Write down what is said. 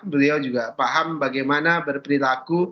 beliau juga paham bagaimana berperilaku